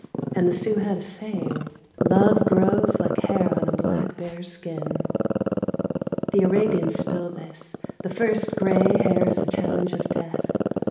And the Sioux had a saying, " Love grows like hair on a black bear's skin." The Arabians spill this: The first gray hair is a challenge of death.